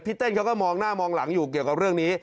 เต้นเขาก็มองหน้ามองหลังอยู่เกี่ยวกับเรื่องนี้